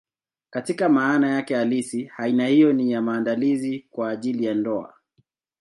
Katika maana yake halisi, aina hiyo ni ya maandalizi kwa ajili ya ndoa.